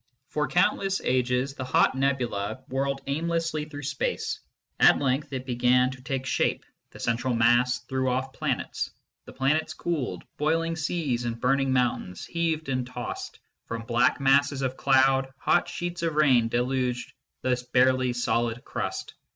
" For countless ages the hot nebula whirled aimlessly through space. At length it began to take shape, the central mass threw off planets, the planets cooled, boil ing seas and burning mountains heaved and tossed, from black masses of cloud hot sheets of rain deluged the barely solid crust.